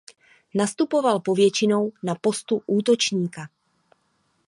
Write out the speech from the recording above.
Nastupoval povětšinou na postu útočníka.